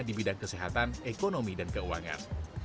di bidang kesehatan ekonomi dan keuangan